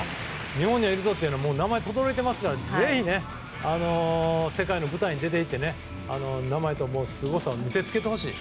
日本にいるぞと名前がとどろいていますからぜひ、世界の舞台に出ていって名前とすごさを見せつけてほしい。